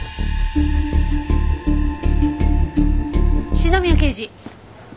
篠宮刑事。